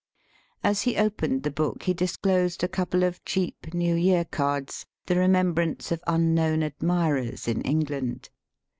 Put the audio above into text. As he opened the book he disclosed a couple of cheap New Year cards, the remembrance of unknown admirers in England.